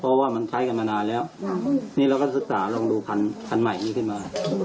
เพราะว่ามันใช้กันมานานแล้วนี่เราก็ศึกษาลองดูพันธุ์ใหม่นี้ขึ้นมา